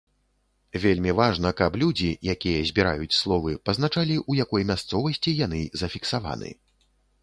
Вельмі важна, каб людзі, якія збіраюць словы, пазначалі, у якой мясцовасці яны зафіксаваны.